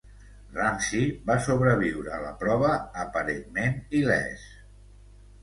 Ramsey va sobreviure a la prova aparentment il·lès.